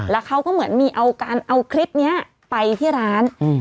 แล้วเขาก็เหมือนมีเอาการเอาคลิปนี้ไปที่ร้าน